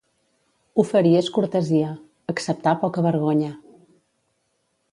Oferir és cortesia; acceptar, pocavergonya.